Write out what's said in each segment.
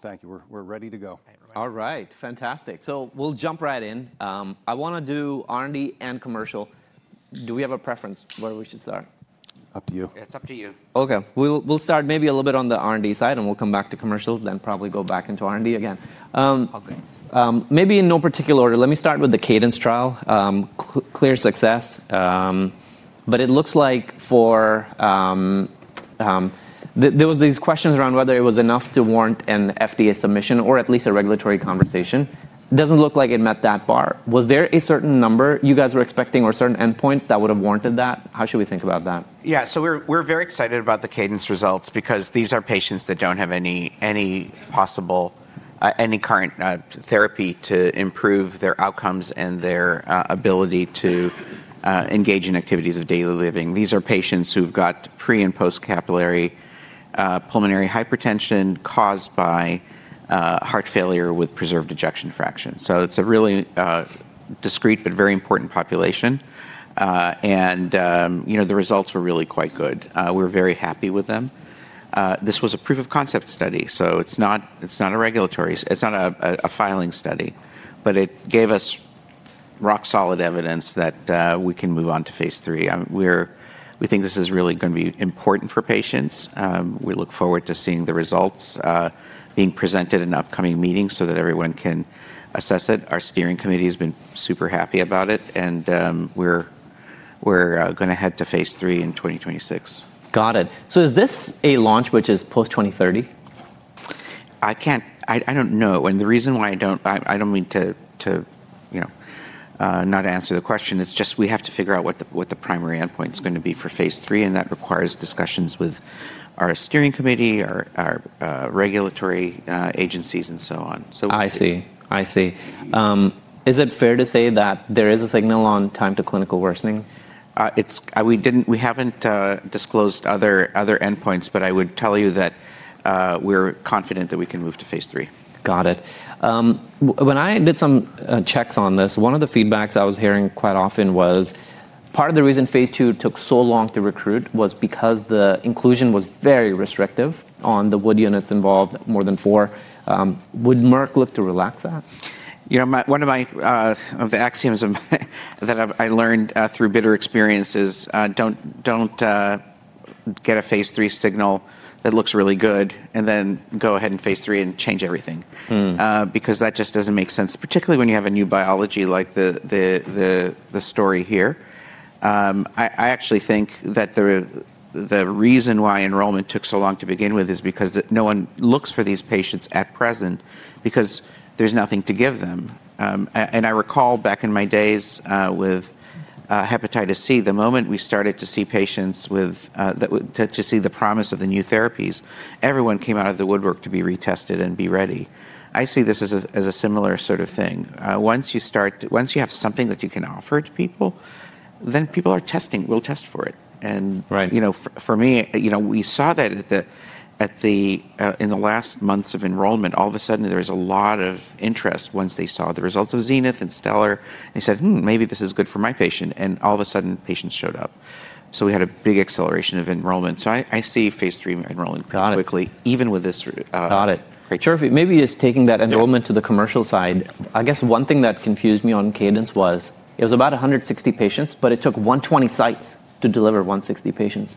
Thank you. We're ready to go. All right. All right. Fantastic. We'll jump right in. I want to do R&D and commercial. Do we have a preference where we should start? Up to you. It's up to you. OK. We'll start maybe a little bit on the R&D side, and we'll come back to commercial, then probably go back into R&D again. OK. Maybe in no particular order. Let me start with the cadence trial. Clear success. It looks like there were these questions around whether it was enough to warrant an FDA submission or at least a regulatory conversation. It does not look like it met that bar. Was there a certain number you guys were expecting or a certain endpoint that would have warranted that? How should we think about that? Yeah. We are very excited about the cadence results because these are patients that do not have any possible, any current therapy to improve their outcomes and their ability to engage in activities of daily living. These are patients who have got pre- and post-capillary pulmonary hypertension caused by heart failure with preserved ejection fraction. It is a really discreet but very important population. The results were really quite good. We are very happy with them. This was a proof of concept study. It is not a regulatory, it is not a filing study. It gave us rock-solid evidence that we can move on to phase three. We think this is really going to be important for patients. We look forward to seeing the results being presented in upcoming meetings so that everyone can assess it. Our steering committee has been super happy about it. We are going to head to phase three in 2026. Got it. Is this a launch which is post-2030? I don't know. The reason why I don't, I don't mean to not answer the question. It's just we have to figure out what the primary endpoint is going to be for phase three. That requires discussions with our steering committee, our regulatory agencies, and so on. I see. I see. Is it fair to say that there is a signal on time to clinical worsening? We have not disclosed other endpoints. I would tell you that we are confident that we can move to phase three. Got it. When I did some checks on this, one of the feedbacks I was hearing quite often was part of the reason phase two took so long to recruit was because the inclusion was very restrictive on the wood units involved, more than four. Would Merck look to relax that? You know, one of the axioms that I learned through bitter experience is don't get a phase three signal that looks really good, and then go ahead in phase three and change everything. Because that just doesn't make sense, particularly when you have a new biology like the story here. I actually think that the reason why enrollment took so long to begin with is because no one looks for these patients at present because there's nothing to give them. I recall back in my days with hepatitis C, the moment we started to see patients to see the promise of the new therapies, everyone came out of the woodwork to be retested and be ready. I see this as a similar sort of thing. Once you have something that you can offer to people, then people are testing. We'll test for it. For me, we saw that in the last months of enrollment, all of a sudden there was a lot of interest once they saw the results of ZENITH and STELLAR. They said, maybe this is good for my patient. All of a sudden, patients showed up. We had a big acceleration of enrollment. I see phase three enrolling quickly, even with this. Got it. Great. Chirfi, maybe just taking that enrollment to the commercial side, I guess one thing that confused me on cadence was it was about 160 patients, but it took 120 sites to deliver 160 patients.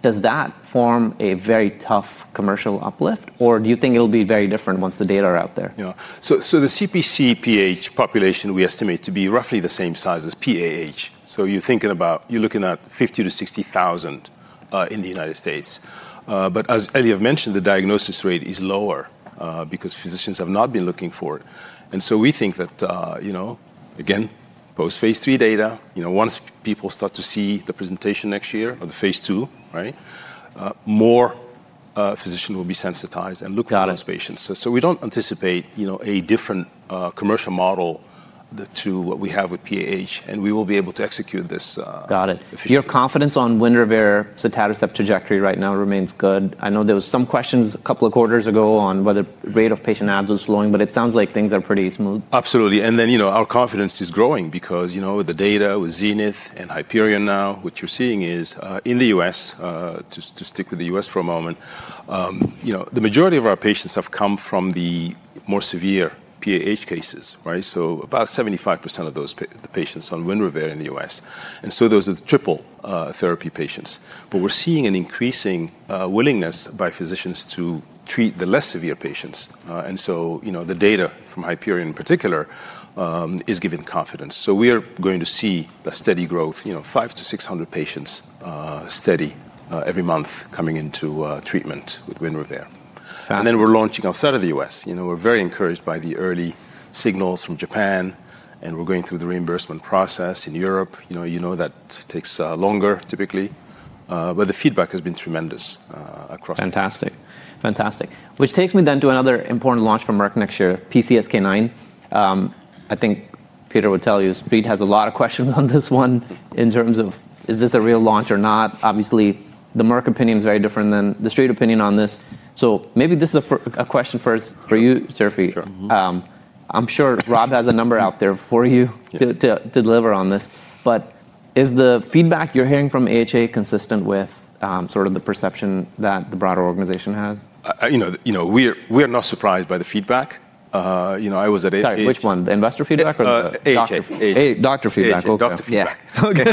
Does that form a very tough commercial uplift? Or do you think it'll be very different once the data are out there? Yeah. The CpcPH population we estimate to be roughly the same size as PAH. You are thinking about, you are looking at 50,000-60,000 in the United States. As Eliav mentioned, the diagnosis rate is lower because physicians have not been looking for it. We think that, again, post-phase three data, once people start to see the presentation next year or the phase two, more physicians will be sensitized and look at those patients. We do not anticipate a different commercial model to what we have with PAH. We will be able to execute this. Got it. Your confidence on WINREVAIR sotatercept trajectory right now remains good. I know there were some questions a couple of quarters ago on whether rate of patient adds was slowing. It sounds like things are pretty smooth. Absolutely. Our confidence is growing because with the data, with ZENITH and Hyperion now, what you're seeing is in the U.S., to stick with the U.S. for a moment, the majority of our patients have come from the more severe PAH cases. About 75% of those patients are on WINREVAIR in the U.S., and those are the triple therapy patients. We are seeing an increasing willingness by physicians to treat the less severe patients, and the data from Hyperion in particular is giving confidence. We are going to see steady growth, 500-600 patients steady every month coming into treatment with WINREVAIR. We are launching outside of the U.S. and are very encouraged by the early signals from Japan. We are going through the reimbursement process in Europe. You know that takes longer, typically. The feedback has been tremendous across. Fantastic. Fantastic. Which takes me then to another important launch for Merck next year, PCSK9. I think Peter would tell you Reed has a lot of questions on this one in terms of is this a real launch or not. Obviously, the Merck opinion is very different than the street opinion on this. Maybe this is a question first for you, Chirfi. I'm sure Rob has a number out there for you to deliver on this. Is the feedback you're hearing from AHA consistent with sort of the perception that the broader organization has? You know, we are not surprised by the feedback. I was at AHA. Sorry, which one? The investor feedback or the doctor feedback? AHA. A doctor feedback. Doctor feedback. OK.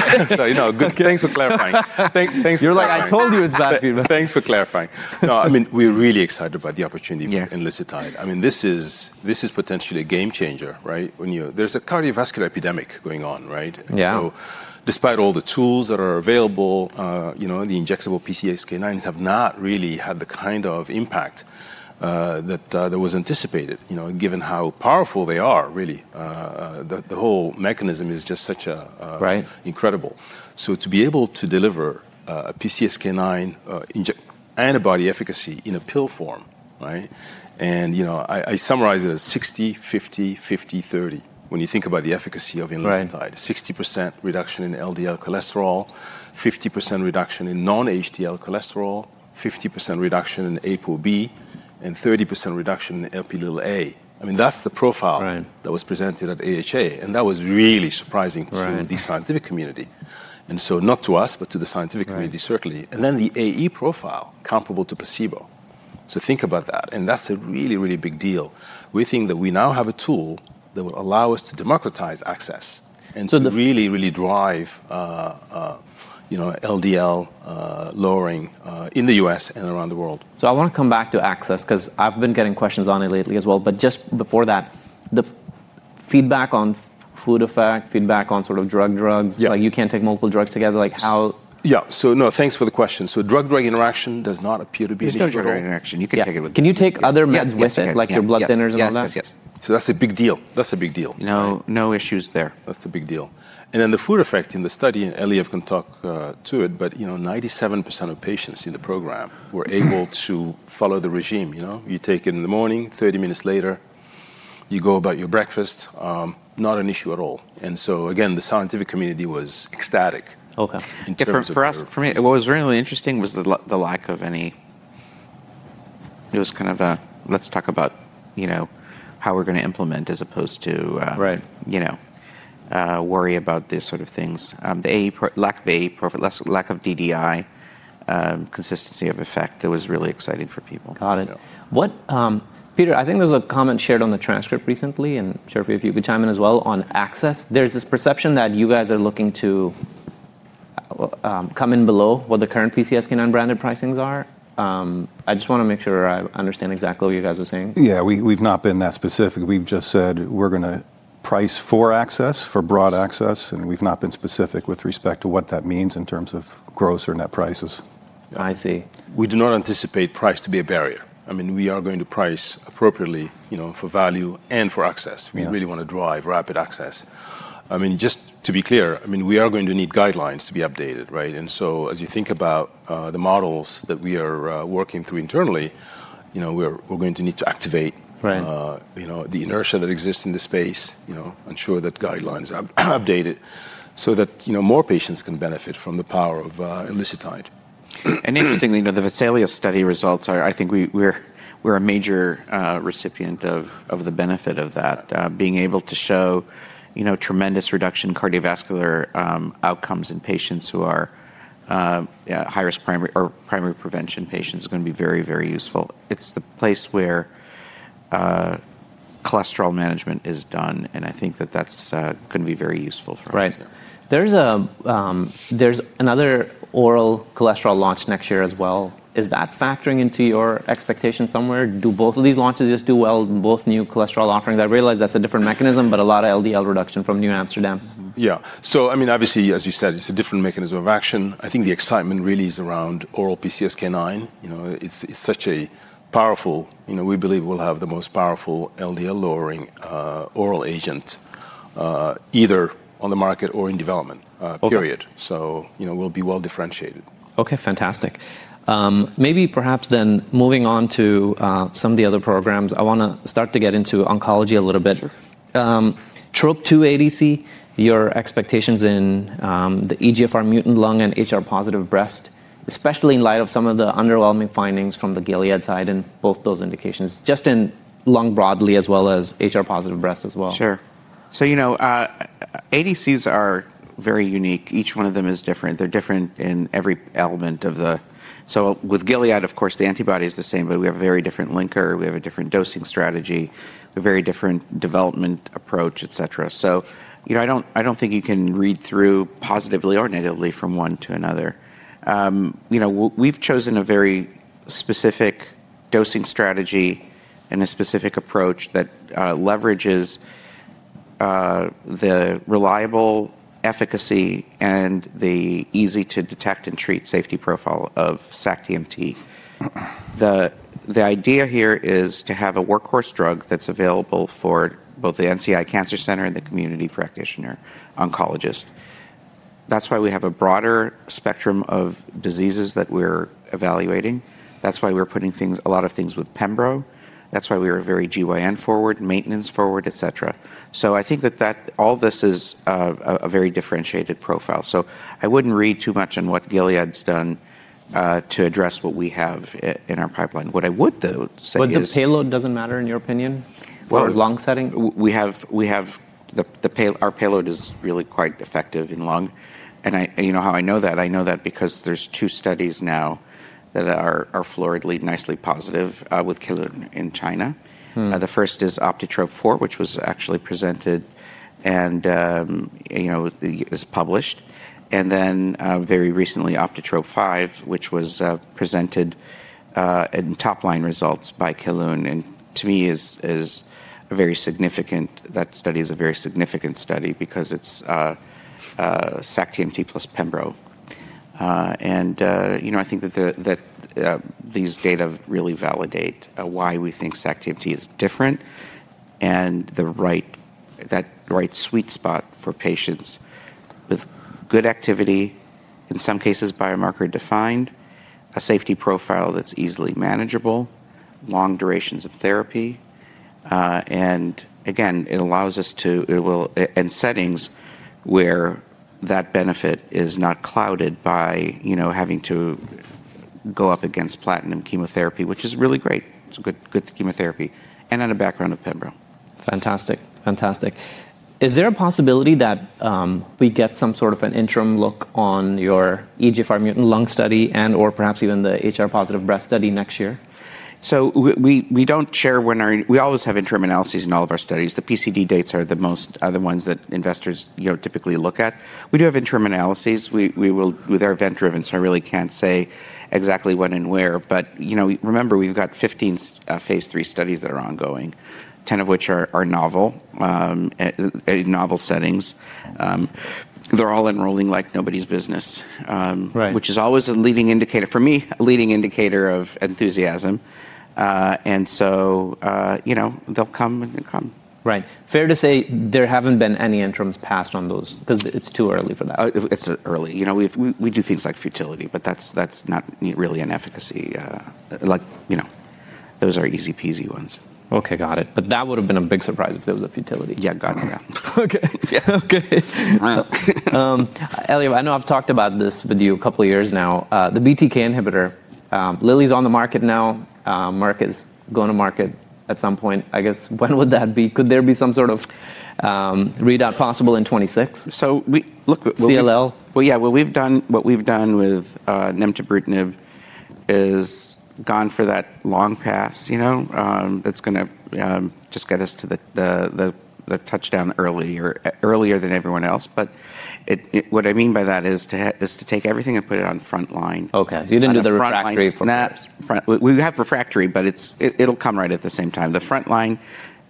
Thanks for clarifying. Thanks for clarifying. You're like, I told you it's bad feedback. Thanks for clarifying. I mean, we're really excited about the opportunity for obicetrapib. I mean, this is potentially a game changer. There's a cardiovascular epidemic going on. Despite all the tools that are available, the injectable PCSK9s have not really had the kind of impact that was anticipated, given how powerful they are, really. The whole mechanism is just such incredible. To be able to deliver a PCSK9 antibody efficacy in a pill form, and I summarize it as 60, 50, 50, 30, when you think about the efficacy of obicetrapib. 60% reduction in LDL cholesterol, 50% reduction in non-HDL cholesterol, 50% reduction in ApoB, and 30% reduction in Lp(a) little. That's the profile that was presented at AHA. That was really surprising to the scientific community. Not to us, but to the scientific community, certainly. The AE profile is comparable to placebo. Think about that. That is a really, really big deal. We think that we now have a tool that will allow us to democratize access and to really, really drive LDL lowering in the U.S. and around the world. I want to come back to access because I've been getting questions on it lately as well. Just before that, the feedback on food effect, feedback on sort of drug-drugs, like you can't take multiple drugs together. Like how? Yeah. No, thanks for the question. Drug-drug interaction does not appear to be an issue. No drug-drug interaction. You can take it with you. Can you take other meds with it, like your blood thinners and all that? Yes, yes. That's a big deal. That's a big deal. No issues there. That's the big deal. The food effect in the study, Eliav can talk to it, but 97% of patients in the program were able to follow the regime. You take it in the morning, 30 minutes later, you go about your breakfast. Not an issue at all. The scientific community was ecstatic. OK. For us, for me, what was really interesting was the lack of any, it was kind of a let's talk about how we're going to implement as opposed to worry about these sort of things. The lack of DDI, consistency of effect, it was really exciting for people. Got it. Peter, I think there was a comment shared on the transcript recently. And Chirfi, if you could chime in as well on access. There's this perception that you guys are looking to come in below what the current PCSK9 branded pricings are. I just want to make sure I understand exactly what you guys were saying. Yeah. We've not been that specific. We've just said we're going to price for access, for broad access. We've not been specific with respect to what that means in terms of gross or net prices. I see. We do not anticipate price to be a barrier. I mean, we are going to price appropriately for value and for access. We really want to drive rapid access. I mean, just to be clear, I mean, we are going to need guidelines to be updated. As you think about the models that we are working through internally, we're going to need to activate the inertia that exists in the space, ensure that guidelines are updated so that more patients can benefit from the power of Enlisted Tide. Interestingly, the Vesalius study results are I think we're a major recipient of the benefit of that, being able to show tremendous reduction in cardiovascular outcomes in patients who are high-risk primary or primary prevention patients is going to be very, very useful. It's the place where cholesterol management is done. I think that that's going to be very useful for us. Right. There is another oral cholesterol launch next year as well. Is that factoring into your expectation somewhere? Do both of these launches just do well in both new cholesterol offerings? I realize that is a different mechanism, but a lot of LDL reduction from New Amsterdam. Yeah. I mean, obviously, as you said, it's a different mechanism of action. I think the excitement really is around oral PCSK9. It's such a powerful, we believe we'll have the most powerful LDL-lowering oral agent, either on the market or in development, period. We'll be well differentiated. OK. Fantastic. Maybe perhaps then moving on to some of the other programs, I want to start to get into oncology a little bit. TROP2 ADC, your expectations in the EGFR mutant lung and HR-positive breast, especially in light of some of the underwhelming findings from the Gilead side in both those indications, just in lung broadly as well as HR-positive breast as well. Sure. You know, ADCs are very unique. Each one of them is different. They're different in every element of the—so with Gilead, of course, the antibody is the same. But we have a very different linker. We have a different dosing strategy, a very different development approach, et cetera. I don't think you can read through positively or negatively from one to another. We've chosen a very specific dosing strategy and a specific approach that leverages the reliable efficacy and the easy-to-detect-and-treat safety profile of sac-TMT. The idea here is to have a workhorse drug that's available for both the NCI Cancer Center and the community practitioner oncologist. That's why we have a broader spectrum of diseases that we're evaluating. That's why we're putting things—a lot of things—with Pembro. That's why we are very GYN-forward, maintenance-forward, et cetera. I think that all this is a very differentiated profile. I would not read too much on what Gilead's done to address what we have in our pipeline. What I would, though, say is. Would the payload doesn't matter, in your opinion, for lung setting? We have our payload is really quite effective in lung. And you know how I know that? I know that because there's two studies now that are floridly nicely positive with Kelun-Biotech in China. The first is OptiTROP 4, which was actually presented and is published. And then very recently, OptiTROP 5, which was presented in top-line results by Kelun-Biotech. To me, that study is a very significant study because it's sac-TMT plus Pembro. I think that these data really validate why we think sac-TMT is different and that right sweet spot for patients with good activity, in some cases biomarker-defined, a safety profile that's easily manageable, long durations of therapy. Again, it allows us to in settings where that benefit is not clouded by having to go up against platinum chemotherapy, which is really great. It's good chemotherapy and on a background of Pembro. Fantastic. Fantastic. Is there a possibility that we get some sort of an interim look on your EGFR mutant lung study and/or perhaps even the HR-positive breast study next year? We do not share when our, we always have interim analyses in all of our studies. The PCD dates are the ones that investors typically look at. We do have interim analyses with our event-driven. I really cannot say exactly when and where. Remember, we have 15 phase three studies that are ongoing, 10 of which are in novel settings. They are all enrolling like nobody's business, which is always a leading indicator, for me, a leading indicator of enthusiasm. They will come and they will come. Right. Fair to say there haven't been any interims passed on those because it's too early for that. It's early. We do things like futility, but that's not really an efficacy. Those are easy-peasy ones. OK. Got it. That would have been a big surprise if there was a futility. Yeah. Got it. Yeah. OK. OK. Eliav, I know I've talked about this with you a couple of years now. The BTK inhibitor, Lilly's on the market now. Merck is going to market at some point. I guess when would that be? Could there be some sort of readout possible in 2026? So look. CLL? What we've done with Nemtabrutinib is gone for that long pass. That's going to just get us to the touchdown earlier than everyone else. What I mean by that is to take everything and put it on front line. OK. You did not do the refractory for. We have refractory, but it'll come right at the same time, the front line,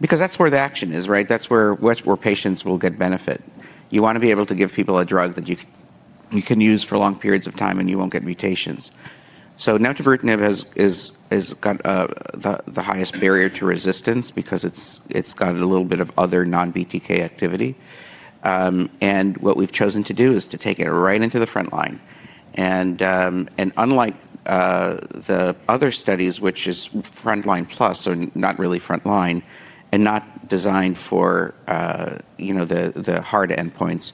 because that's where the action is. That's where patients will get benefit. You want to be able to give people a drug that you can use for long periods of time, and you won't get mutations. So Nemtabrutinib has got the highest barrier to resistance because it's got a little bit of other non-BTK activity. What we've chosen to do is to take it right into the front line. Unlike the other studies, which is front line plus, so not really front line and not designed for the hard endpoints,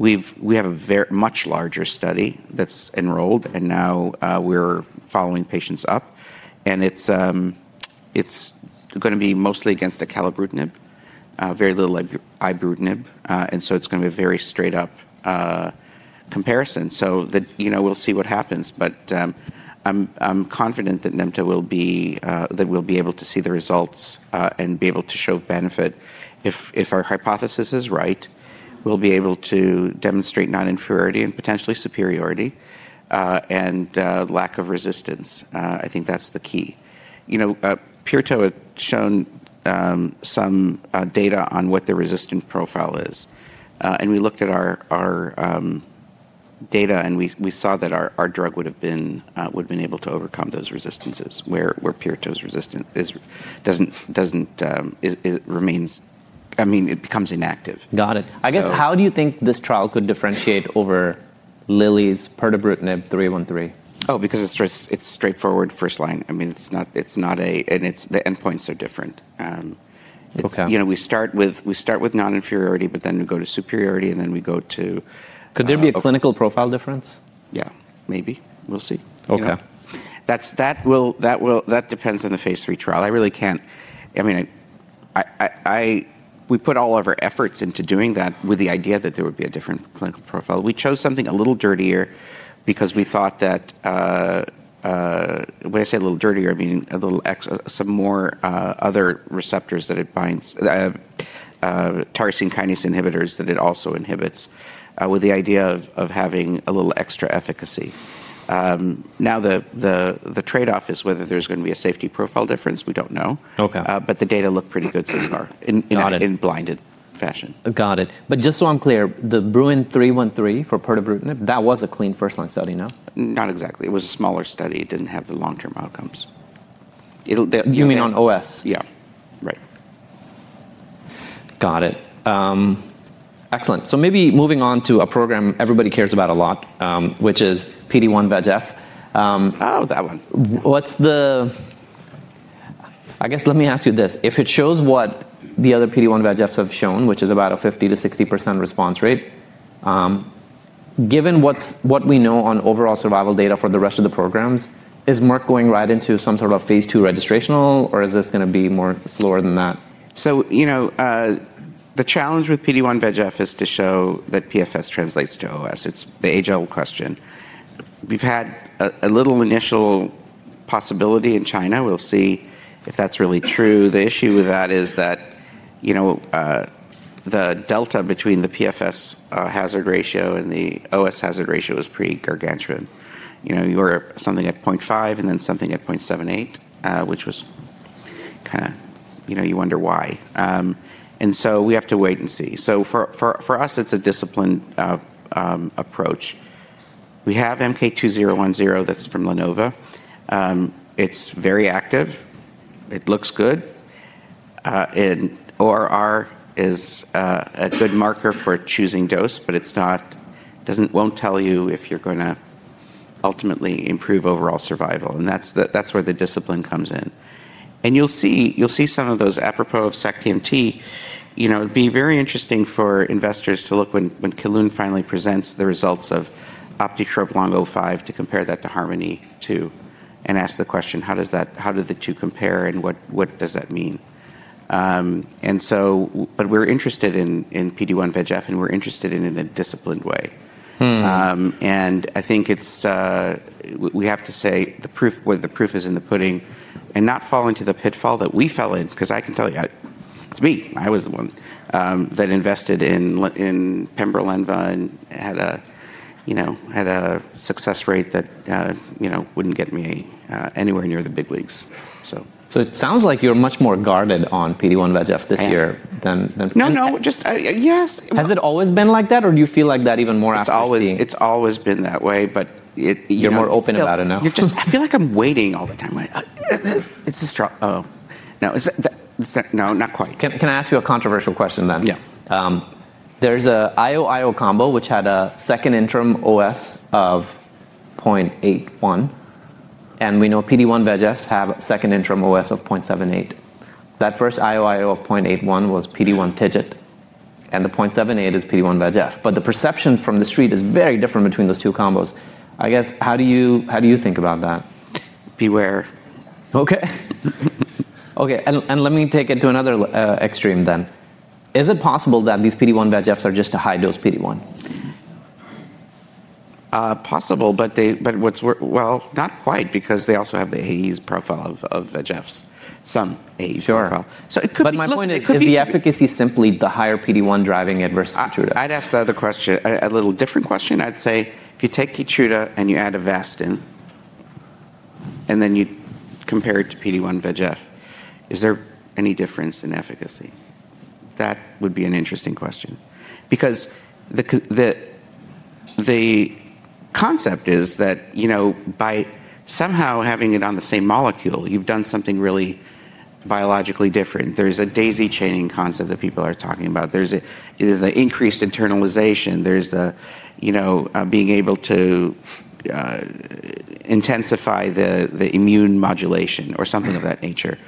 we have a much larger study that's enrolled. Now we're following patients up. It's going to be mostly against Acalabrutinib, very little Ibrutinib. It's going to be a very straight-up comparison. We'll see what happens. I'm confident that Nembutal will be that we'll be able to see the results and be able to show benefit. If our hypothesis is right, we'll be able to demonstrate non-inferiority and potentially superiority and lack of resistance. I think that's the key. Puretone had shown some data on what the resistant profile is. We looked at our data, and we saw that our drug would have been able to overcome those resistances where Puretone's resistance doesn't remain. I mean, it becomes inactive. Got it. I guess how do you think this trial could differentiate over Lilly's pirtobrutinib 313? Oh, because it's straightforward, first line. I mean, it's not a, and the endpoints are different. We start with non-inferiority, but then we go to superiority, and then we go to. Could there be a clinical profile difference? Yeah. Maybe. We'll see. OK. That depends on the phase three trial. I really can't. I mean, we put all of our efforts into doing that with the idea that there would be a different clinical profile. We chose something a little dirtier because we thought that when I say a little dirtier, I mean a little some more other receptors that it binds, tyrosine kinase inhibitors that it also inhibits, with the idea of having a little extra efficacy. Now, the trade-off is whether there's going to be a safety profile difference. We don't know. The data look pretty good so far, in blinded fashion. Got it. Just so I'm clear, the Bruin 313 for pirtobrutinib, that was a clean first-line study, no? Not exactly. It was a smaller study. It didn't have the long-term outcomes. You mean on OS? Yeah. Right. Got it. Excellent. Maybe moving on to a program everybody cares about a lot, which is PD-1/VEGF. Oh, that one. I guess let me ask you this. If it shows what the other PD-1/VEGFs have shown, which is about a 50%-60% response rate, given what we know on overall survival data for the rest of the programs, is Merck going right into some sort of phase two registrational, or is this going to be more slower than that? The challenge with PD-1/VEGF is to show that PFS translates to OS. It's the age-old question. We've had a little initial possibility in China. We'll see if that's really true. The issue with that is that the delta between the PFS hazard ratio and the OS hazard ratio is pretty gargantuan. You were at something at 0.5 and then something at 0.78, which was kind of you wonder why. We have to wait and see. For us, it's a disciplined approach. We have MK-2010 that's from LaNova. It's very active. It looks good. ORR is a good marker for choosing dose, but it won't tell you if you're going to ultimately improve overall survival. That's where the discipline comes in. You'll see some of those. Apropos of sac-TMT, it'd be very interesting for investors to look when Kelun-Biotech finally presents the results of OptiTROP Lung 05 to compare that to Harmony too and ask the question, how do the two compare and what does that mean? We are interested in PD-1/VEGF, and we are interested in a disciplined way. I think we have to say the proof is in the pudding. Not fall into the pitfall that we fell in because I can tell you it's me. I was the one that invested in Pembrolizumab and had a success rate that wouldn't get me anywhere near the big leagues. It sounds like you're much more guarded on PD-1/VEGF this year than previously. No, no. Yes. Has it always been like that, or do you feel like that even more after this? It has always been that way. You're more open about it now? I feel like I'm waiting all the time. It's a struggle. Oh. No. No, not quite. Can I ask you a controversial question then? Yeah. There's an IOIO combo, which had a second interim OS of 0.81. We know PD-1/VEGFs have a second interim OS of 0.78. That first IOIO of 0.81 was PD-1 Tijet, and the 0.78 is PD-1/VEGF. The perception from the street is very different between those two combos. I guess how do you think about that? Beware. OK. OK. Let me take it to another extreme then. Is it possible that these PD-1/VEGFs are just a high-dose PD-1? Possible, but not quite because they also have the AEs profile of VEGFs, some AEs profile. Sure. My point is, could the efficacy simply be the higher PD-1 driving it versus KEYTRUDA? I'd ask the other question a little different question. I'd say if you take KEYTRUDA and you add Avastin and then you compare it to PD-1/VEGF, is there any difference in efficacy? That would be an interesting question because the concept is that by somehow having it on the same molecule, you've done something really biologically different. There's a daisy-chaining concept that people are talking about. There's the increased internalization. There's the being able to intensify the immune modulation or something of that nature.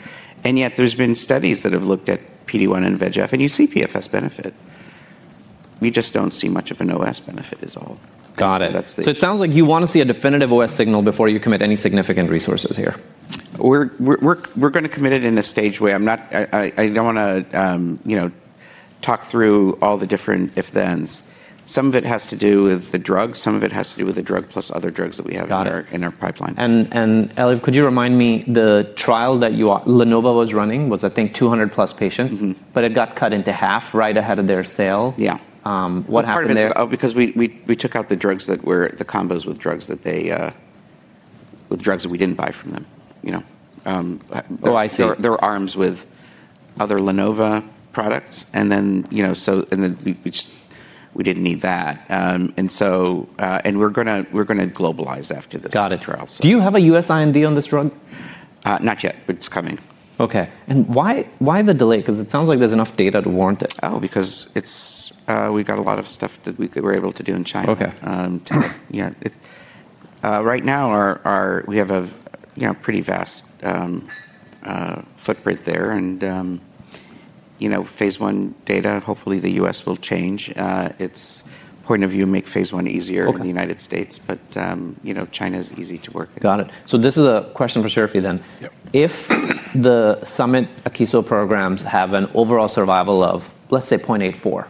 Yet there's been studies that have looked at PD-1 and VEGF, and you see PFS benefit. We just don't see much of an OS benefit is all. Got it. It sounds like you want to see a definitive OS signal before you commit any significant resources here. We're going to commit it in a staged way. I don't want to talk through all the different if/thens. Some of it has to do with the drug. Some of it has to do with the drug plus other drugs that we have in our pipeline. Eliav, could you remind me the trial that LaNova was running was, I think, 200+ patients, but it got cut into half right ahead of their sale. Yeah. What happened there? Because we took out the drugs that were the combos with drugs that we did not buy from them. Oh, I see. They're arms with other LaNova products. We didn't need that. We're going to globalize after this trial. Got it. Do you have a US IND on this drug? Not yet, but it's coming. OK. Why the delay? Because it sounds like there's enough data to warrant it. Oh, because we got a lot of stuff that we were able to do in China. OK. Yeah. Right now, we have a pretty vast footprint there. And phase I data, hopefully, the U.S. will change its point of view, make phase I easier in the United States. China is easy to work. Got it. This is a question for Chirfi then. If the Summit Akeso programs have an overall survival of, let's say, 0.84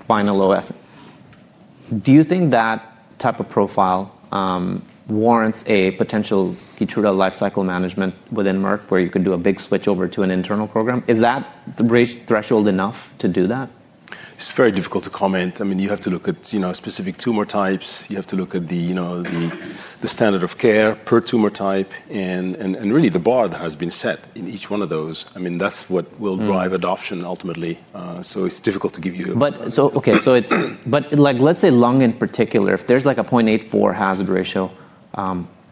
final OS, do you think that type of profile warrants a potential KEYTRUDA life cycle management within Merck where you could do a big switch over to an internal program? Is that threshold enough to do that? It's very difficult to comment. I mean, you have to look at specific tumor types. You have to look at the standard of care per tumor type. I mean, that's what will drive adoption ultimately. It's difficult to give you. OK. Let's say lung in particular, if there's like a 0.84 hazard ratio,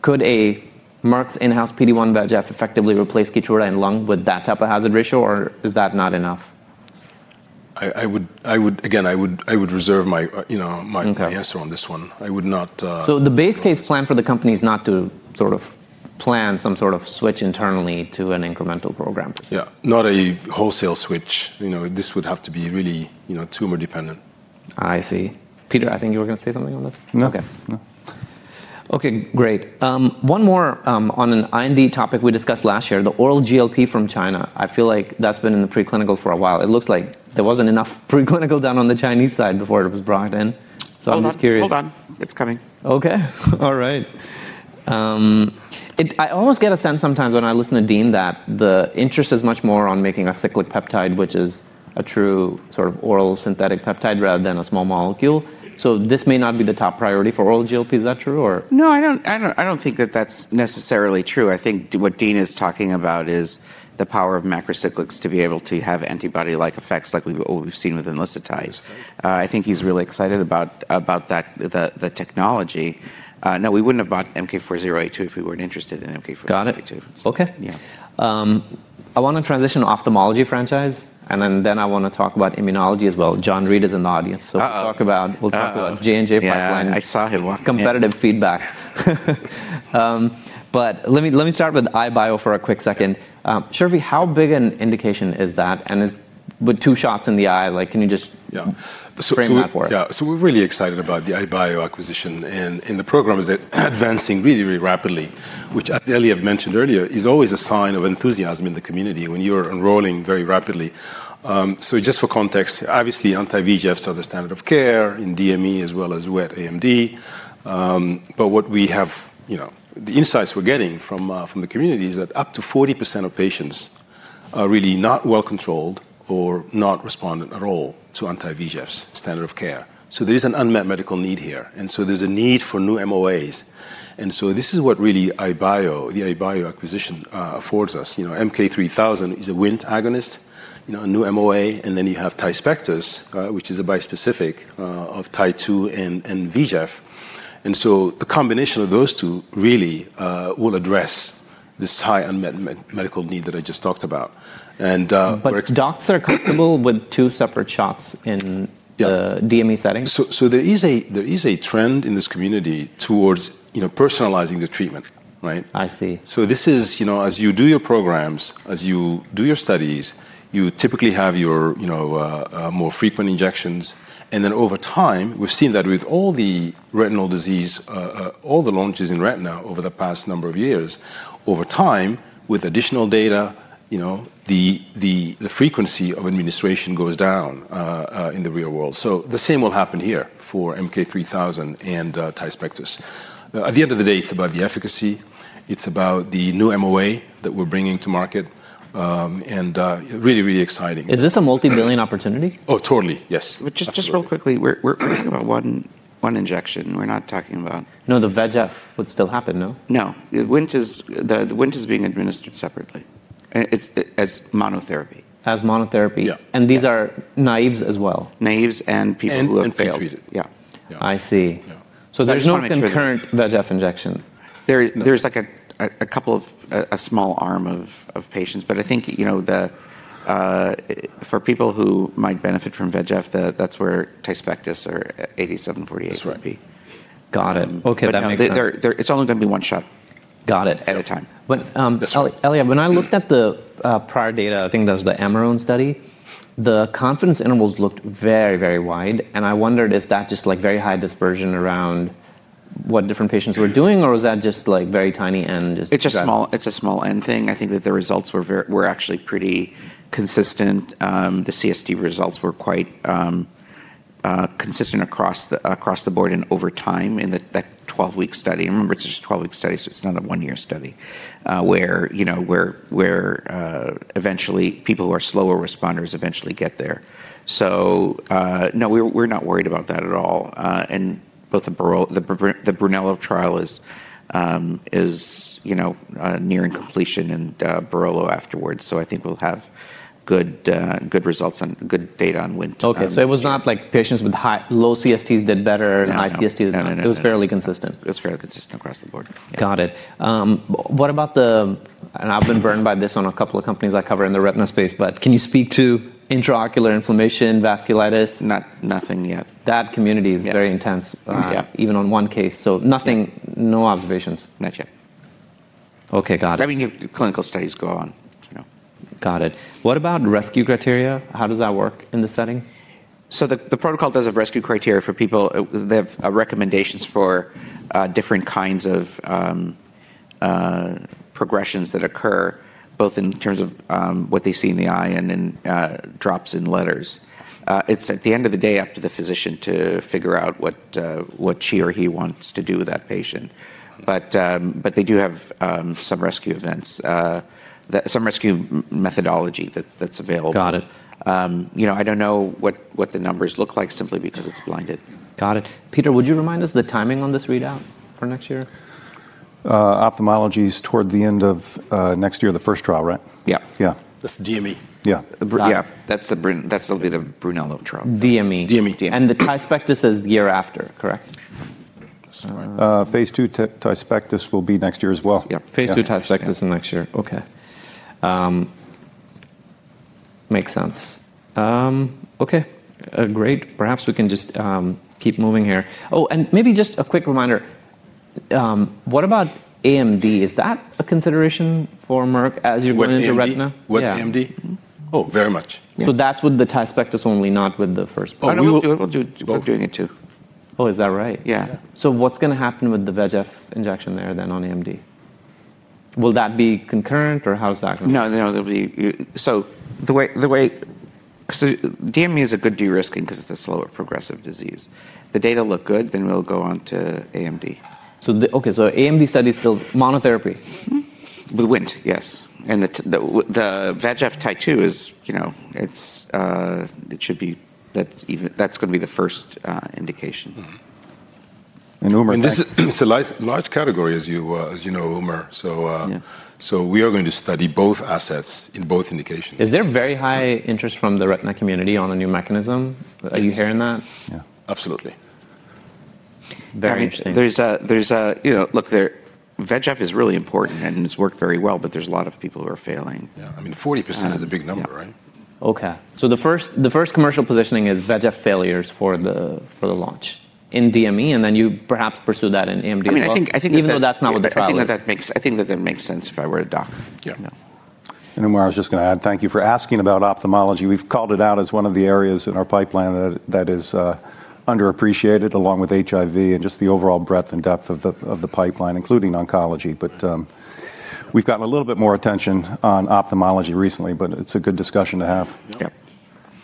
could a Merck's in-house PD-1/VEGF effectively replace KEYTRUDA in lung with that type of hazard ratio, or is that not enough? Again, I would reserve my answer on this one. I would not. The base case plan for the company is not to sort of plan some sort of switch internally to an incremental program? Yeah. Not a wholesale switch. This would have to be really tumor dependent. I see. Peter, I think you were going to say something on this. No. OK. OK, great. One more on an IND topic we discussed last year, the oral GLP from China. I feel like that's been in the preclinical for a while. It looks like there wasn't enough preclinical done on the Chinese side before it was brought in. So I'm just curious. Hold on. It's coming. OK. All right. I almost get a sense sometimes when I listen to Dean that the interest is much more on making a cyclic peptide, which is a true sort of oral synthetic peptide rather than a small molecule. This may not be the top priority for oral GLP. Is that true, or? No, I don't think that that's necessarily true. I think what Dean is talking about is the power of macrocyclics to be able to have antibody-like effects like we've seen with enlisted types. I think he's really excited about the technology. No, we wouldn't have bought MK4082 if we weren't interested in MK4082. Got it. OK. I want to transition to ophthalmology franchise. I want to talk about immunology as well. John Reed is in the audience. We'll talk about J&J pipeline. Yeah, I saw him. Competitive feedback. Let me start with iBio for a quick second. Sherify, how big an indication is that? With two shots in the eye, can you just frame that for us? Yeah. We're really excited about the iBio acquisition. The program is advancing really, really rapidly, which, as Eliav mentioned earlier, is always a sign of enthusiasm in the community when you're enrolling very rapidly. Just for context, obviously, anti-VEGFs are the standard of care in DME as well as with AMD. What we have, the insights we're getting from the community, is that up to 40% of patients are really not well controlled or not respondent at all to anti-VEGFs, standard of care. There is an unmet medical need here. There's a need for new MOAs. This is what really the iBio acquisition affords us. MK-3000 is a WNT agonist, a new MOA. Then you have Tispectus, which is a bispecific of TITU and VEGF. The combination of those two really will address this high unmet medical need that I just talked about. Are docs comfortable with two separate shots in the DME setting? There is a trend in this community towards personalizing the treatment. I see. This is as you do your programs, as you do your studies, you typically have your more frequent injections. Then over time, we've seen that with all the retinal disease, all the launches in retina over the past number of years, over time, with additional data, the frequency of administration goes down in the real world. The same will happen here for MK3000 and Tispectus. At the end of the day, it's about the efficacy. It's about the new MOA that we're bringing to market. Really, really exciting. Is this a multi-billion opportunity? Oh, totally, yes. Just real quickly, we're talking about one injection. We're not talking about. No, the VEGF would still happen, no? No. The WINT is being administered separately as monotherapy. As monotherapy? Yeah. These are naïves as well? Naïves and people who have failed. And infiltrated. Yeah. I see. There is no concurrent VEGF injection. There's like a small arm of patients. I think for people who might benefit from VEGF, that's where Tispectus or 8748 would be. Got it. OK. It's only going to be one shot at a time. Eliav, when I looked at the prior data, I think that was the AMARONE study, the confidence intervals looked very, very wide. I wondered if that was just like very high dispersion around what different patients were doing, or was that just like very tiny n? It's a small end thing. I think that the results were actually pretty consistent. The CSD results were quite consistent across the board and over time in that 12-week study. I remember it's just a 12-week study, so it's not a one-year study where eventually people who are slower responders eventually get there. No, we're not worried about that at all. Both the BRUNELLO trial is nearing completion and BAROLO afterwards. I think we'll have good results and good data on WINT. OK. It was not like patients with low CSTs did better and high CSTs did better. It was fairly consistent. It was fairly consistent across the board. Got it. What about the, and I've been burned by this on a couple of companies I cover in the retina space, but can you speak to intraocular inflammation, vasculitis? Nothing yet. That community is very intense, even on one case. Nothing, no observations. Not yet. OK, got it. I mean, clinical studies go on. Got it. What about rescue criteria? How does that work in the setting? The protocol does have rescue criteria for people. They have recommendations for different kinds of progressions that occur, both in terms of what they see in the eye and in drops in letters. At the end of the day it is up to the physician to figure out what she or he wants to do with that patient. They do have some rescue events, some rescue methodology that is available. Got it. I don't know what the numbers look like simply because it's blinded. Got it. Peter, would you remind us the timing on this readout for next year? Ophthalmology is toward the end of next year, the first trial, right? Yeah. Yeah. That's DME. Yeah. Yeah. That'll be the BRUNELLO trial. DME. DME. The Tispectus is the year after, correct? Phase two Tispectus will be next year as well. Yeah. Phase two Tispectus is next year. OK. Makes sense. OK, great. Perhaps we can just keep moving here. Oh, and maybe just a quick reminder. What about AMD? Is that a consideration for Merck as you're going into retina? What, AMD? Oh, very much. That's with the Tispectus only, not with the first. We're doing it too. Oh, is that right? Yeah. What is going to happen with the VEGF injection there then on AMD? Will that be concurrent, or how is that going to be? No, no. The way DME is a good de-risking because it is a slower progressive disease. The data look good, then we will go on to AMD. OK, the AMD study is still monotherapy. With WELIREG, yes. And the VEGF Trap, it should be that's going to be the first indication. And Umar. This is a large category, as you know, Umar. We are going to study both assets in both indications. Is there very high interest from the retina community on a new mechanism? Are you hearing that? Yeah. Absolutely. Very interesting. Look, VEGF is really important and has worked very well, but there's a lot of people who are failing. Yeah. I mean, 40% is a big number, right? OK. The first commercial positioning is VEGF failures for the launch in DME, and then you perhaps pursue that in AMD. Even though that's not what the trial is. I think that makes sense if I were a doc. Yeah. I was just going to add, thank you for asking about ophthalmology. We've called it out as one of the areas in our pipeline that is underappreciated, along with HIV and just the overall breadth and depth of the pipeline, including oncology. We've gotten a little bit more attention on ophthalmology recently, but it's a good discussion to have. Yeah.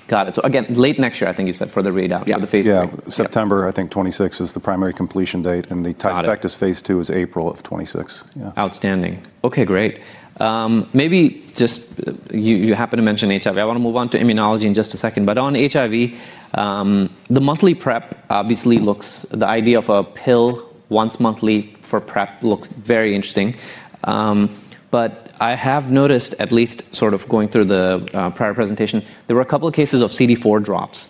Got it. Again, late next year, I think you said, for the readout, for the phase two. Yeah. September, I think, 26 is the primary completion date. The Tispectus phase two is April of 2026. Outstanding. OK, great. Maybe just you happen to mention HIV. I want to move on to immunology in just a second. On HIV, the monthly prep obviously looks the idea of a pill once monthly for prep looks very interesting. I have noticed, at least sort of going through the prior presentation, there were a couple of cases of CD4 drops,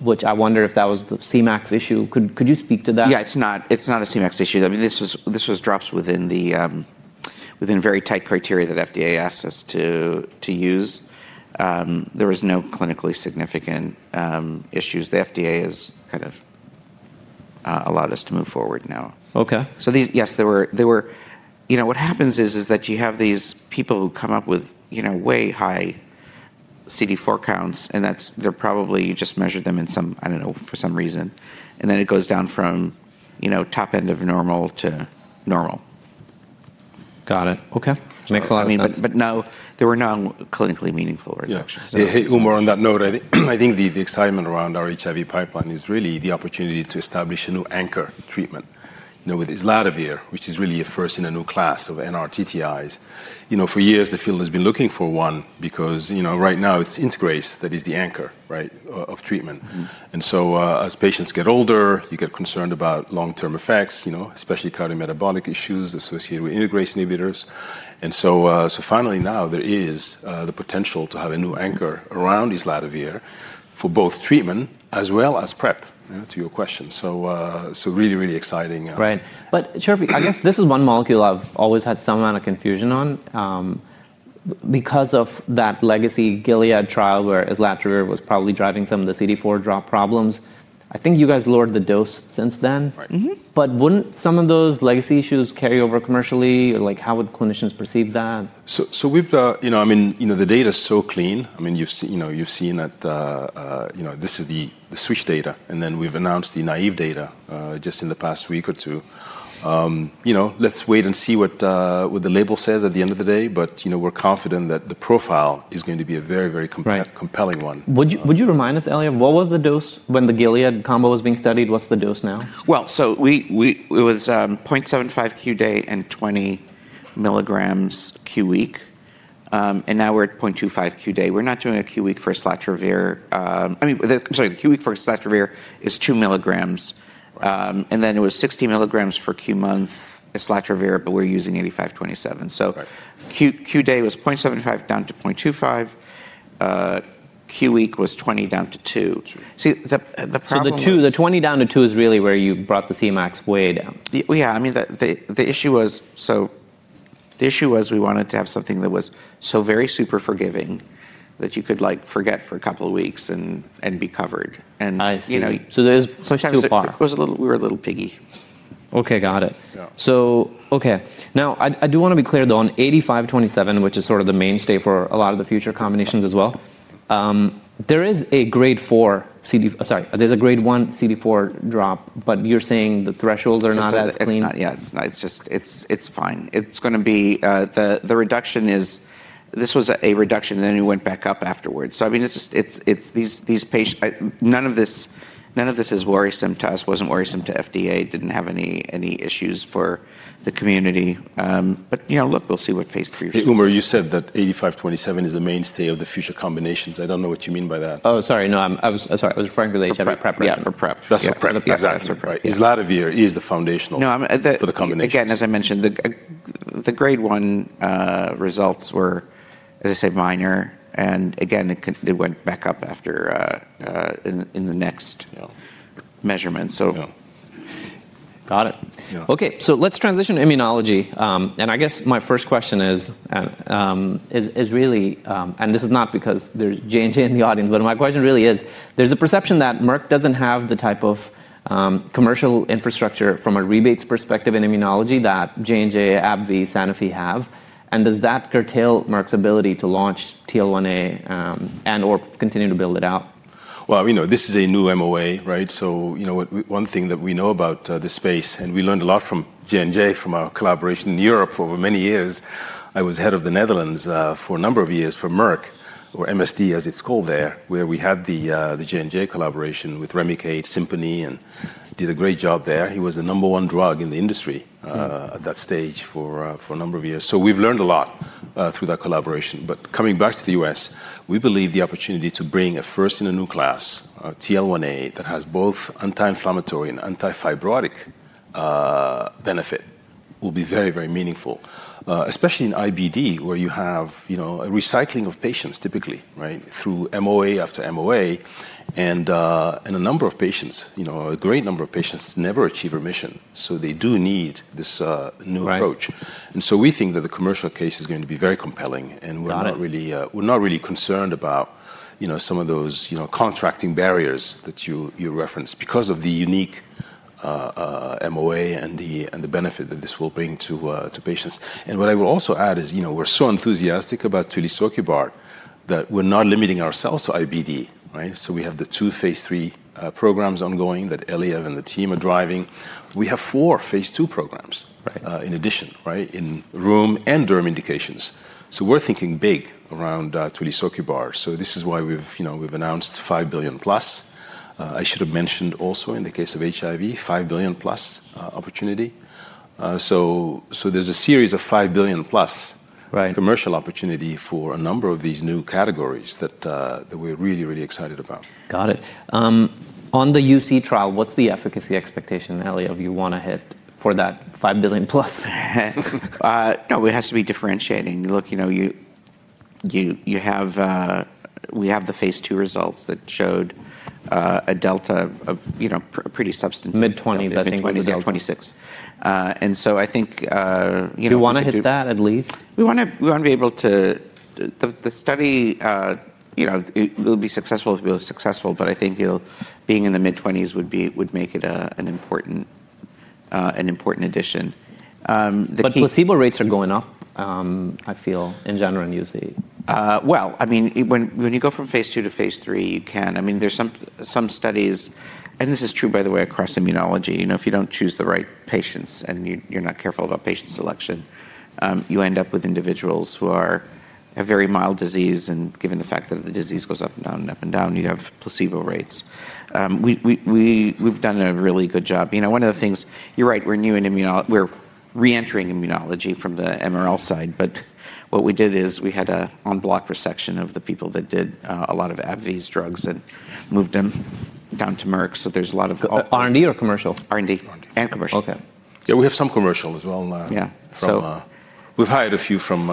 which I wonder if that was the CMAX issue. Could you speak to that? Yeah, it's not a CMAX issue. I mean, this was drops within very tight criteria that FDA asked us to use. There were no clinically significant issues. The FDA has kind of allowed us to move forward now. OK. Yes, what happens is that you have these people who come up with way high CD4 counts, and they're probably you just measured them in some, I don't know, for some reason. And then it goes down from top end of normal to normal. Got it. OK. Makes a lot of sense. No, there were no clinically meaningful reductions. Yeah. On that note, I think the excitement around our HIV pipeline is really the opportunity to establish a new anchor treatment with Islatravir, which is really a first in a new class of NRTTIs. For years, the field has been looking for one because right now it's integrase that is the anchor of treatment. As patients get older, you get concerned about long-term effects, especially cardiometabolic issues associated with integrase inhibitors. Finally now there is the potential to have a new anchor around Islatravir for both treatment as well as prep, to your question. Really, really exciting. Right. Sherify, I guess this is one molecule I've always had some amount of confusion on. Because of that legacy Gilead trial where Islatravir was probably driving some of the CD4 drop problems, I think you guys lowered the dose since then. Wouldn't some of those legacy issues carry over commercially? How would clinicians perceive that? I mean, the data is so clean. I mean, you've seen that this is the switch data. And then we've announced the naïve data just in the past week or two. Let's wait and see what the label says at the end of the day. But we're confident that the profile is going to be a very, very compelling one. Would you remind us, Eliav, what was the dose when the Gilead combo was being studied? What's the dose now? It was 0.75 qDAY and 20 milligrams qWeek. Now we're at 0.25 qDAY. We're not doing a qWeek for Islatravir. I mean, the qWeek for Islatravir is 2 milligrams. It was 60 milligrams for qMONTH Islatravir, but we're using 8527. qDAY was 0.75 down to 0.25. qWeek was 20 down to 2. The 20 down to 2 is really where you brought the CMAX way down. Yeah. I mean, the issue was, so the issue was we wanted to have something that was so very super forgiving that you could forget for a couple of weeks and be covered. I see. So there's some two bar. We were a little piggy. OK, got it. OK. Now, I do want to be clear, though, on 8527, which is sort of the mainstay for a lot of the future combinations as well. There is a grade 4 CD—sorry, there's a grade 1 CD4 drop, but you're saying the thresholds are not as clean. Yeah, it's fine. It's going to be the reduction. This was a reduction, and then it went back up afterwards. I mean, these patients, none of this is worrisome to us, wasn't worrisome to FDA, didn't have any issues for the community. Look, we'll see what phase three shows. You said that 8527 is the mainstay of the future combinations. I don't know what you mean by that. Oh, sorry. No, I'm sorry. I was referring to the HIV PrEP version. Yeah, for prep. That's the prep. Exactly. Islatravir is the foundational for the combinations. Again, as I mentioned, the grade 1 results were, as I said, minor. It went back up in the next measurement. Got it. OK. Let's transition to immunology. I guess my first question is really, and this is not because there's J&J in the audience, but my question really is, there's a perception that Merck doesn't have the type of commercial infrastructure from a rebates perspective in immunology that J&J, AbbVie, Sanofi have. Does that curtail Merck's ability to launch TL1A and/or continue to build it out? This is a new MOA, right? One thing that we know about the space, and we learned a lot from J&J from our collaboration in Europe for many years. I was head of the Netherlands for a number of years for Merck, or MSD as it's called there, where we had the J&J collaboration with Remicade, SIMPONI, and did a great job there. It was the number one drug in the industry at that stage for a number of years. We have learned a lot through that collaboration. Coming back to the U.S., we believe the opportunity to bring a first in a new class, TL1A, that has both anti-inflammatory and antifibrotic benefit will be very, very meaningful, especially in IBD, where you have a recycling of patients typically through MOA after MOA. A number of patients, a great number of patients never achieve remission. They do need this new approach. We think that the commercial case is going to be very compelling. We're not really concerned about some of those contracting barriers that you referenced because of the unique MOA and the benefit that this will bring to patients. What I will also add is we're so enthusiastic about Tulisokibart that we're not limiting ourselves to IBD. We have the two phase three programs ongoing that Eliav and the team are driving. We have four phase two programs in addition in rheum and derm indications. We're thinking big around Tulisokibart. This is why we've announced $5 billion plus. I should have mentioned also in the case of HIV, $5 billion plus opportunity. There is a series of $5 billion-plus commercial opportunity for a number of these new categories that we are really, really excited about. Got it. On the UC trial, what's the efficacy expectation, Eliav, if you want to hit for that $5 billion plus? No, it has to be differentiating. Look, we have the phase two results that showed a delta of pretty substantial. Mid 20s, I think. Mid 20s, yeah. 26? I think. Do you want to hit that at least? We want to be able to, the study, it will be successful if we're successful, but I think being in the mid 20s would make it an important addition. Placebo rates are going up, I feel, in general in UC. I mean, when you go from phase two to phase three, you can. I mean, there's some studies and this is true, by the way, across immunology. If you don't choose the right patients and you're not careful about patient selection, you end up with individuals who have very mild disease. Given the fact that the disease goes up and down and up and down, you have placebo rates. We've done a really good job. One of the things you're right, we're re-entering immunology from the MRL side. What we did is we had an en bloc resection of the people that did a lot of AbbVie's drugs and moved them down to Merck. There's a lot of. R&D or commercial? R&D and commercial. Yeah, we have some commercial as well. Yeah. We've hired a few from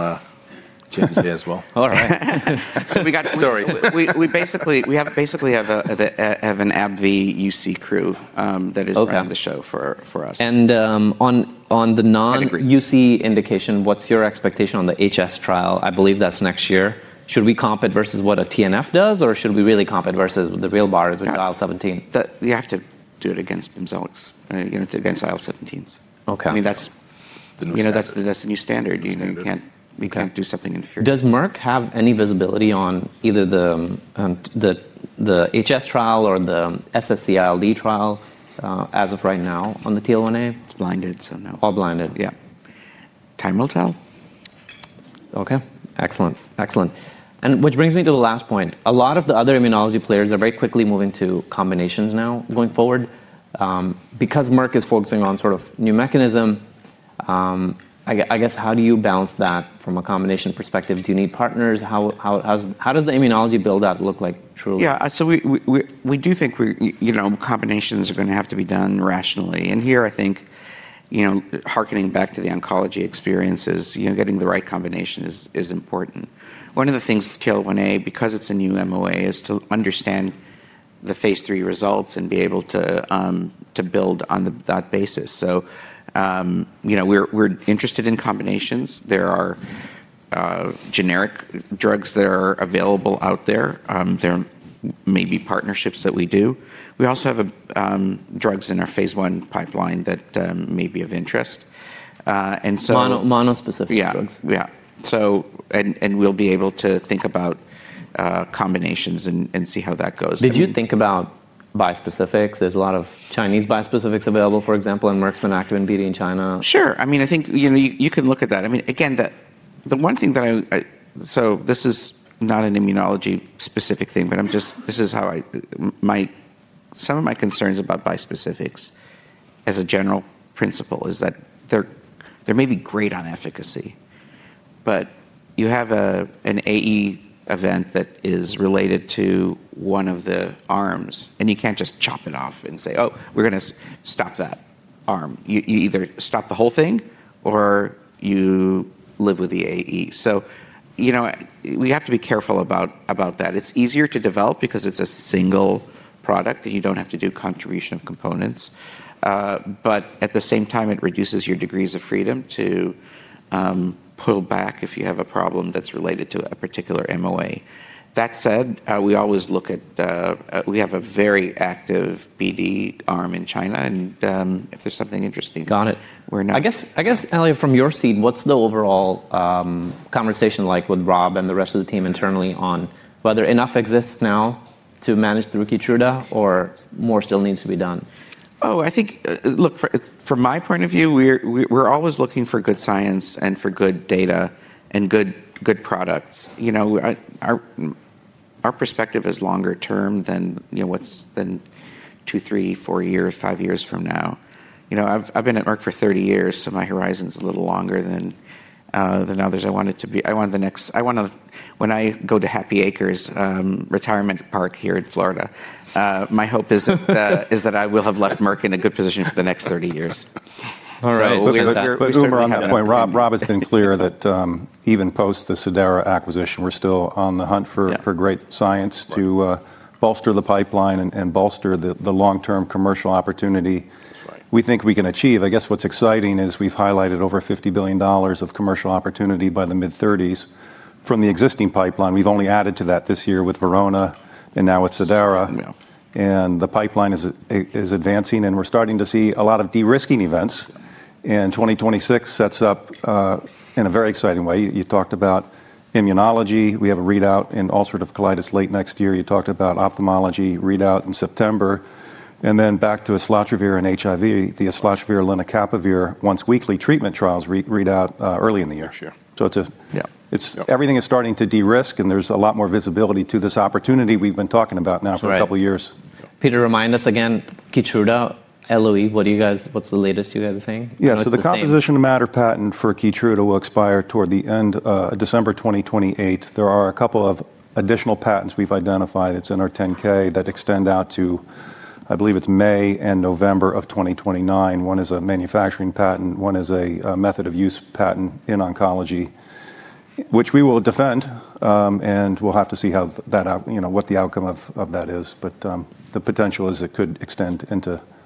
J&J as well. All right. So we basically have an AbbVie UC crew that is on the show for us. On the non-UC indication, what's your expectation on the HS trial? I believe that's next year. Should we comp it versus what a TNF does, or should we really comp it versus the real bars with IL-17? You have to do it against Bimzolux, against IL-17s. I mean, that's the new standard. We can't do something inferior. Does Merck have any visibility on either the HS trial or the SSC ILD trial as of right now on the TL1A? It's blinded, so no. All blinded. Yeah. Time will tell. OK, excellent. Excellent. Which brings me to the last point. A lot of the other immunology players are very quickly moving to combinations now going forward. Because Merck is focusing on sort of new mechanism, I guess how do you balance that from a combination perspective? Do you need partners? How does the immunology build-out look like, truly? Yeah. We do think combinations are going to have to be done rationally. Here, I think, hearkening back to the oncology experiences, getting the right combination is important. One of the things with TL1A, because it's a new MOA, is to understand the phase three results and be able to build on that basis. We're interested in combinations. There are generic drugs that are available out there. There may be partnerships that we do. We also have drugs in our phase one pipeline that may be of interest. Monospecific drug? Yeah. Yeah. We will be able to think about combinations and see how that goes. Did you think about bispecifics? There's a lot of Chinese bispecifics available, for example, in Merck's BD in China. Sure. I mean, I think you can look at that. I mean, again, the one thing that I—so this is not an immunology specific thing, but this is how some of my concerns about bispecifics as a general principle is that they may be great on efficacy. But you have an AE event that is related to one of the arms, and you can't just chop it off and say, oh, we're going to stop that arm. You either stop the whole thing or you live with the AE. We have to be careful about that. It's easier to develop because it's a single product, and you don't have to do contribution of components. At the same time, it reduces your degrees of freedom to pull back if you have a problem that's related to a particular MOA. That said, we always look at we have a very active BD arm in China. If there's something interesting. Got it. I guess, Eliav, from your seat, what's the overall conversation like with Rob and the rest of the team internally on whether enough exists now to manage the rookie KEYTRUDA or more still needs to be done? Oh, I think, look, from my point of view, we're always looking for good science and for good data and good products. Our perspective is longer term than two, three, four years, five years from now. I've been at Merck for 30 years, so my horizon's a little longer than others. I wanted to be I want to when I go to Happy Acres Retirement Park here in Florida, my hope is that I will have left Merck in a good position for the next 30 years. All right. Umar, on that point. Rob has been clear that even post the Cidara Therapeutics acquisition, we're still on the hunt for great science to bolster the pipeline and bolster the long-term commercial opportunity we think we can achieve. I guess what's exciting is we've highlighted over $50 billion of commercial opportunity by the mid 2030s from the existing pipeline. We've only added to that this year with Verona and now with Cidara. The pipeline is advancing, and we're starting to see a lot of de-risking events. 2026 sets up in a very exciting way. You talked about immunology. We have a readout in ulcerative colitis late next year. You talked about ophthalmology readout in September. Back to Islatravir and HIV, the Islatravir and lenacapavir once weekly treatment trials read out early in the year. Everything is starting to de-risk, and there's a lot more visibility to this opportunity we've been talking about now for a couple of years. Peter, remind us again, KEYTRUDA, LOE. What's the latest you guys are saying? Yeah. So the composition of matter patent for KEYTRUDA will expire toward the end of December 2028. There are a couple of additional patents we've identified. It's NR10K that extend out to, I believe it's May and November of 2029. One is a manufacturing patent. One is a method of use patent in oncology, which we will defend. We'll have to see what the outcome of that is. The potential is it could extend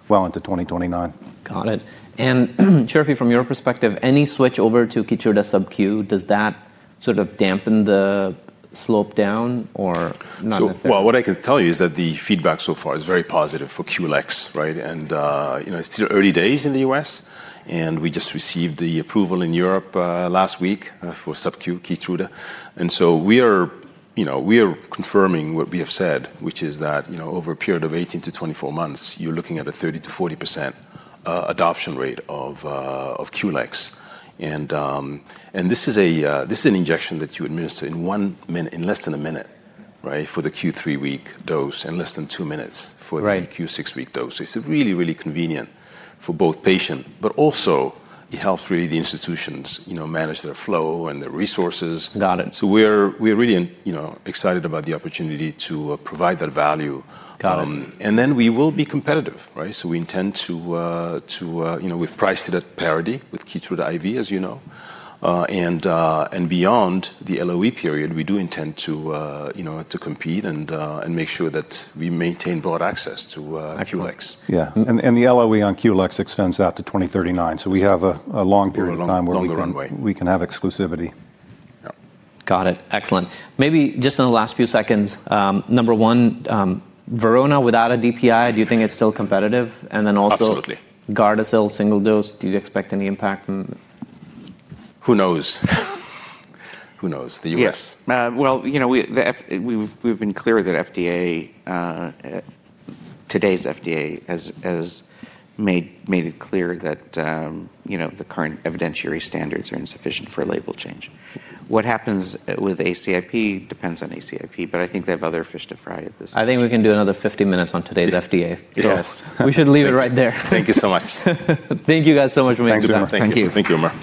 well into 2029. Got it. Chirfi, from your perspective, any switch over to KEYTRUDA subQ, does that sort of dampen the slope down or not necessarily? What I can tell you is that the feedback so far is very positive for QLX. It's still early days in the U.S. We just received the approval in Europe last week for subQ KEYTRUDA. We are confirming what we have said, which is that over a period of 18-24 months, you're looking at a 30%-40% adoption rate of QLX. This is an injection that you administer in less than a minute for the Q3 week dose and less than two minutes for the Q6 week dose. It's really, really convenient for both patients. It also helps the institutions manage their flow and their resources. We're really excited about the opportunity to provide that value. We will be competitive. We intend to, we've priced it at parity with KEYTRUDA IV, as you know. Beyond the LOE period, we do intend to compete and make sure that we maintain broad access to QLX. Yeah. The LOE on QLX extends out to 2039, so we have a long period of time where we can have exclusivity. Got it. Excellent. Maybe just in the last few seconds, number one, Verona without a DPI, do you think it's still competitive? And then also. Absolutely. Gardasil single dose, do you expect any impact? Who knows? Who knows? The U.S.? Yes. We have been clear that today's FDA has made it clear that the current evidentiary standards are insufficient for a label change. What happens with ACIP depends on ACIP. I think they have other fish to fry at this stage. I think we can do another 50 minutes on today's FDA. Yes. We should leave it right there. Thank you so much. Thank you guys so much for making time. Thank you. Thank you.